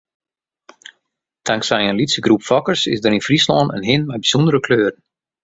Tanksij in lytse groep fokkers is der yn Fryslân in hin mei bysûndere kleuren.